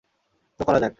তো করা যাক।